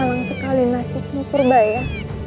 malang sekali nasibmu purba ya